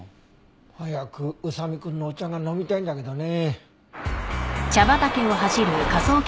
早く宇佐見くんのお茶が飲みたいんだけどね。